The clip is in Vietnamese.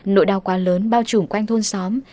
nội đau quá lớn bao trùm quanh thôn xóm